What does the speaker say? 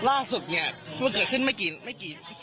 ล่าสุดเนี่ยคงจะขึ้นไม่กี่